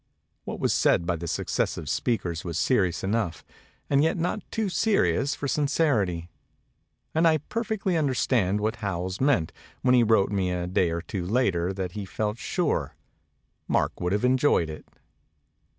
What was said by the successive speakers was serious enough and yet not too serious for sin cerity ; and I perfectly understood what Howells meant when he wrote me a day or two later that he felt sure "Mark would have enjoyed it